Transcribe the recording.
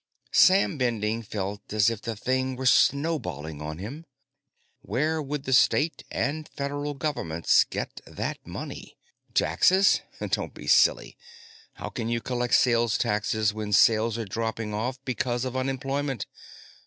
Sam Bending felt as if the thing were snowballing on him. Where would the State and Federal Governments get that money? Taxes? Don't be silly. How can you collect sales taxes when sales are dropping off because of unemployment?